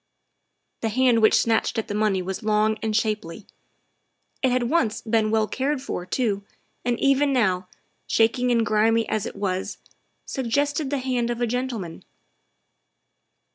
'' The hand which snatched at the money was long and shapely; it had once been well cared for too, and even now, shaking and grimy as it was, suggested the hand of a gentleman.